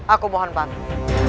aku mohon bantulah